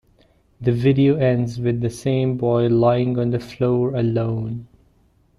The video ends with the same boy lying on the floor alone.